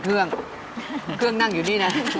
เครื่องนั่งอยู่ที่นี่นะ